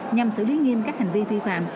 nhằm xử lý nghiêm các hành vi phi phạm